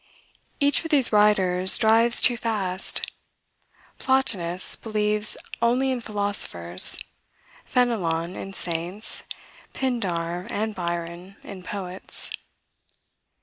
Each of these riders drives too fast. Plotinus believes only in philosophers; Fenelon, in saints; Pindar and Byron, in poets.